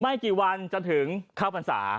ไม่กี่วันจะถึงเข้าพรรษา